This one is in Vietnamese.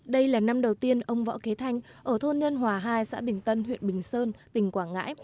đây là năm đầu tiên ông võ kế thanh ở thôn nhân hòa hai xã bình tân huyện bình sơn tỉnh quảng ngãi